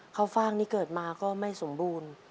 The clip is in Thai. ฟ่างนี่เกิดมาก็ไม่สมบูรณ์